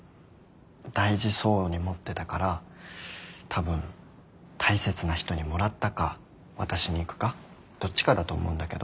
大事そうに持ってたからたぶん大切な人にもらったか渡しに行くかどっちかだと思うんだけど。